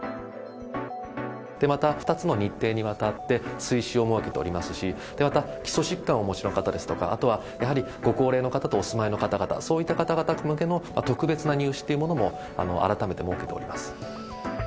２つの日程にわたって追試を設けておりますし、また、基礎疾患をお持ちの方ですとか、あとはやはりご高齢の方とお住まいの方、そういった方々向けの特別な入試というものも改めて設けております。